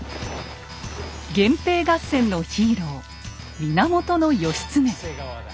源平合戦のヒーロー源義経。